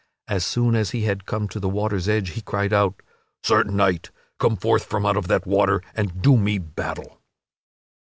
As soon as he had come to the water's edge he cried out: "Sir Knight, come forth from out of that water and do me battle."